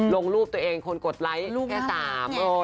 ลงรูปตัวเองคนกดไลค์แค่สาม